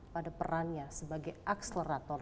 berperan sebagai akselerator